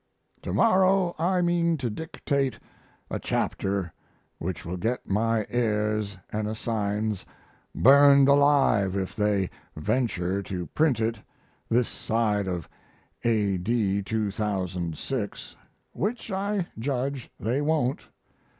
To morrow I mean to dictate a chapter which will get my heirs & assigns burned alive if they venture to print it this side of A.D. 2006 which I judge they won't.